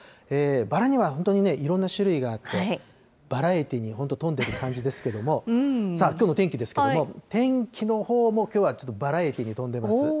バラには本当にいろんな種類があって、バラエティに本当、富んでる感じですけれども、さあ、きょうの天気ですけれども、天気のほうも、きょうはちょっとバラエティに富んでます。